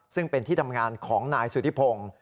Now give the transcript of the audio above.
ซึ่งเป็นที่ทำงานของนายสุธิพงศ์